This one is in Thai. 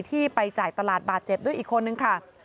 ที่ไปจ่ายตลาดบาดเจ็บด้วยอีกคนนึงค่ะ